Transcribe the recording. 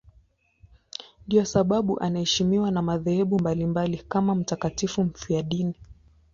Ndiyo sababu anaheshimiwa na madhehebu mbalimbali kama mtakatifu mfiadini.